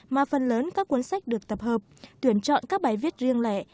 mà phần lớn các cuốn sách được tập hợp tuyển chọn các bài viết riêng lẻ